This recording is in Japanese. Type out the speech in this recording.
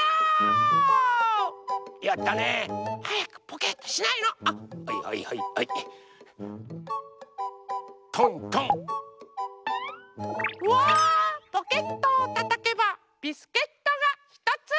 ポケットをたたけばビスケットがひとつ！